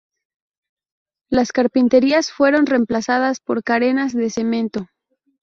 Las carpinterías fueron reemplazadas por carenas de cemento.